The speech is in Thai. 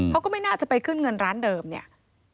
เขาก็ไม่น่าจะไปขึ้นเงินร้านเดิมเนี่ย